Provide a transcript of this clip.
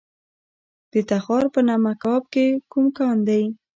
د تخار په نمک اب کې کوم کان دی؟